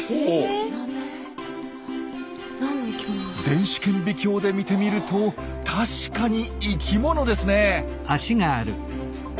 電子顕微鏡で見てみると確かに生きものですね！